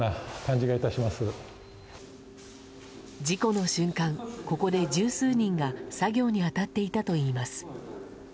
事故の瞬間、ここで十数人が作業に当たっていたといいます。